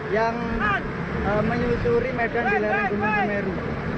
yang menyusuri medan di lereng gunung semeru